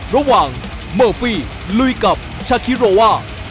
ระหว่างเมอร์ฟี่ลุยกับชาคิโรว่า